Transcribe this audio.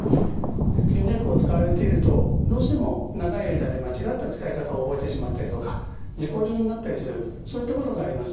吸入薬を使われているとどうしても長い間で間違った使い方を覚えてしまったりとか自己流になったりするそういったことがあります。